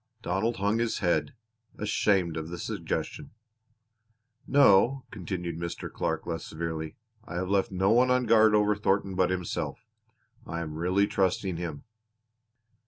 Donald hung his head, ashamed of the suggestion. "No," continued Mr. Clark less severely, "I have left no one on guard over Thornton but himself. I am really trusting him."